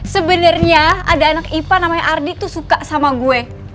sebenarnya ada anak ipa namanya ardi tuh suka sama gue